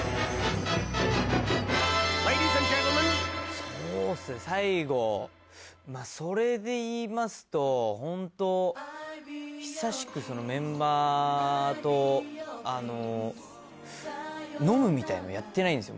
そうですね最後それで言いますとホント久しくメンバーとあの飲むみたいのやってないんですよ。